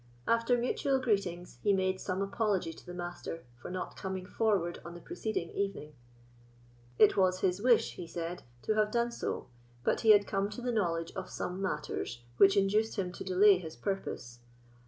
After mutual greetings, he made some apology to the Master for not coming forward on the preceding evening. "It was his wish," he said, "to have done so, but he had come to the knowledge of some matters which induced him to delay his purpose.